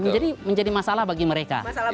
jadi menjadi masalah bagi mereka